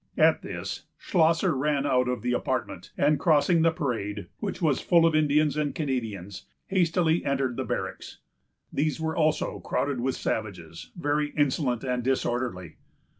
At this, Schlosser ran out of the apartment, and crossing the parade, which was full of Indians and Canadians, hastily entered the barracks. These were also crowded with savages, very insolent and disorderly.